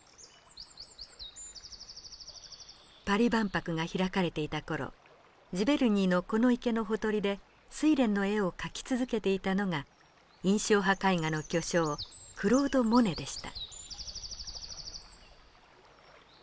パリ万博が開かれていた頃ジヴェルニーのこの池のほとりで睡蓮の絵を描き続けていたのが印象派絵画の巨匠クロード・モネでした。